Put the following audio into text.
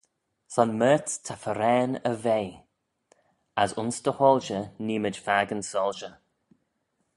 Son mayrts ta farrane y vea: as ayns dty hoilshey nee mayd fakin soilshey.